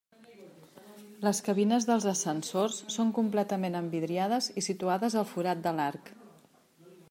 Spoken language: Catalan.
Les cabines dels ascensors són completament envidriades i situades al forat de l'Arc.